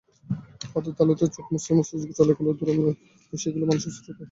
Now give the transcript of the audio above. হাতের তালুতে চোখ মুছতে মুছতে চলে গেল দূরে, মিশে গেল মানুষের স্রোতে।